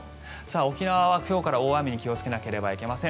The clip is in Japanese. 沖縄は今日から大雨に気をつけなければいけません。